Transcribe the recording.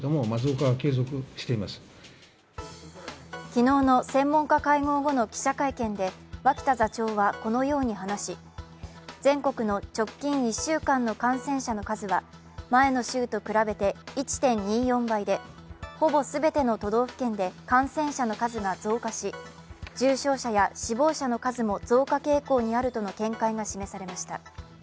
昨日の専門家会合後の記者会見で脇田座長はこのように話し、全国の直近１週間の感染者の数は前の週と比べて１．２４倍でほぼすべての都道府県で感染者の数が増加し、重症者や死亡者の数も増加傾向にあるとの見解が示されました。